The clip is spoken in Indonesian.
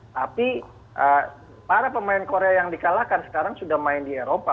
tapi para pemain korea yang dikalahkan sekarang sudah main di eropa